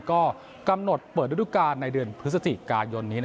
ก็กำหนดเปิดวันนี้พฤษศักดิ์กายน